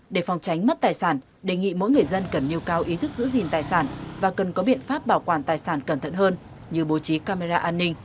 để phòng tránh mất tài sản đề nghị mỗi người dân cần nhiều cao ý thức giữ gìn tài sản và cần có biện pháp bảo quản tài sản cẩn thận hơn như bố trí camera an ninh